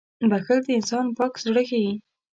• بښل د انسان پاک زړه ښيي.